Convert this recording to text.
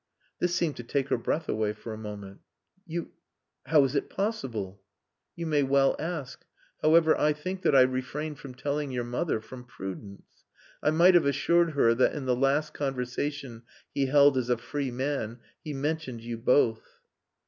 This seemed to take her breath away for a moment. "You.... How is it possible?" "You may well ask.... However, I think that I refrained from telling your mother from prudence. I might have assured her that in the last conversation he held as a free man he mentioned you both...."